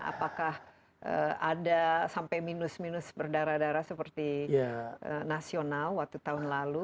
apakah ada sampai minus minus berdarah darah seperti nasional waktu tahun lalu